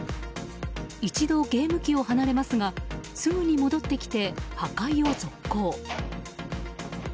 一度、ゲーム機を離れますがすぐに戻ってきて破壊を続行。